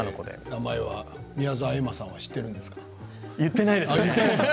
名前は宮澤エマさんは知っているんですか。